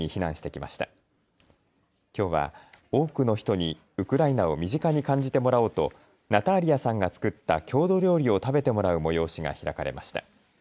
きょうは多くの人にウクライナを身近に感じてもらおうとナターリヤさんが作った郷土料理を食べてもらう催しが開かれました。